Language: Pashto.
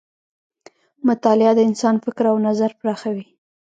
مطالعه د انسان فکر او نظر پراخوي.